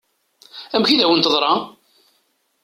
Amek i d-awen-teḍṛa?